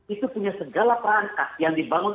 itu punya segala perangkat yang dibangun